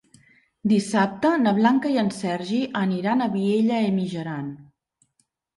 Dissabte na Blanca i en Sergi aniran a Vielha e Mijaran.